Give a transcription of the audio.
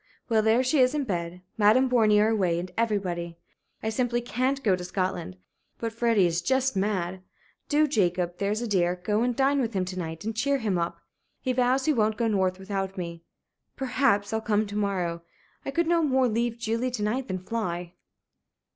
Well, there she is in bed, Madame Bornier away, and everybody. I simply can't go to Scotland. But Freddie is just mad. Do, Jacob, there's a dear, go and dine with him to night and cheer him up. He vows he won't go north without me. Perhaps I'll come to morrow. I could no more leave Julie to night than fly.